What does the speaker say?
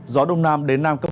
gió đông nam đến nam cấp hai ba